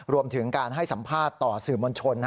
รวมถึงการให้สัมภาษณ์ต่อสื่อมวลชน